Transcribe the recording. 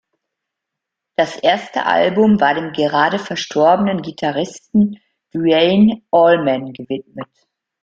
Das erste Album war dem gerade verstorbenen Gitarristen Duane Allman gewidmet.